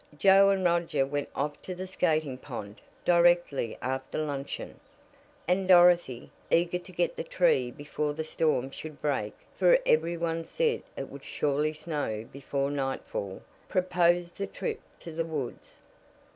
Joe and Roger went off to the skating pond directly after luncheon, and Dorothy, eager to get the tree before the storm should break (for every one said it would surely snow before nightfall), proposed the trip to the woods.